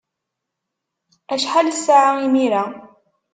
Acḥal ssaɛa imir-a?